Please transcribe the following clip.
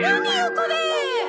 これ！